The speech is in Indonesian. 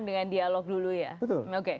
dengan dialog dulu ya oke